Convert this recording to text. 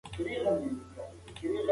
هغه کسان چې ګټه یې کمه وه، لاړل.